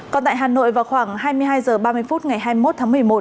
còn tại hà nội vào khoảng hai mươi hai h ba mươi phút ngày hai mươi một tháng một mươi một